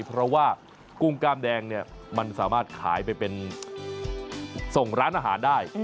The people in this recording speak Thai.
เพราะว่ากุ้งกล้ามแดงเนี่ยมันสามารถขายไปเป็นส่งร้านอาหารได้